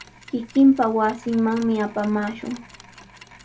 Kikinpa wasinmanmi apamaashun.